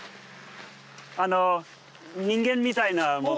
あの人間みたいなもの。